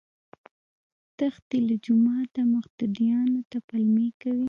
تښتي له جوماته مقتديانو ته پلمې کوي